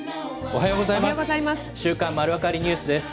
おはようございます。